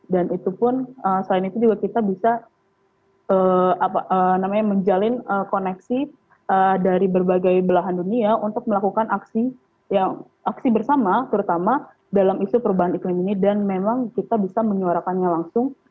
dan itu pun selain itu juga kita bisa menjalin koneksi dari berbagai belahan dunia untuk melakukan aksi bersama terutama dalam isu perubahan iklim ini dan memang kita bisa menyuarakannya langsung